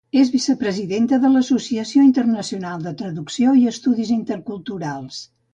És vicepresidenta de l'Associació Internacional de Traducció i Estudis Interculturals.